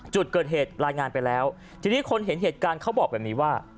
จุดเกิดเหตุรายงานไปแล้วทีนี้คนเห็นเหตุการณ์เขาบอกแบบนี้ว่า